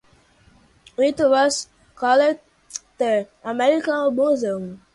It was called the "American Museum".